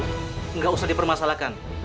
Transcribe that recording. tidak usah dipermasalahkan